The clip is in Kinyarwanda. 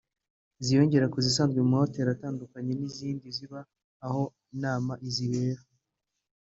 ziyongera ku zisanzwe mu mahoteli atandukanye n’izindi ziba aho inama zibera